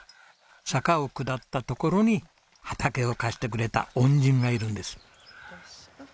坂を下ったところに畑を貸してくれた恩人がいるんです。